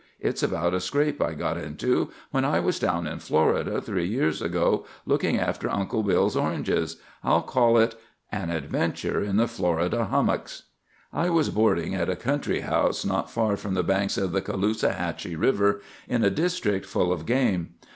It's about a scrape I got into when I was down in Florida three years ago, looking after Uncle Bill's oranges. I'll call it— 'AN ADVENTURE IN THE FLORIDA HUMMOCKS.' "I was boarding at a country house not far from the banks of the Caloosahatchee River, in a district full of game.